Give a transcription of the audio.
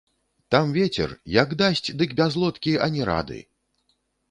Там вецер, як дасць, дык без лодкі ані рады!